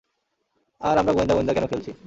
আর আমরা গোয়েন্দা-গোয়েন্দা কেন খেলছি?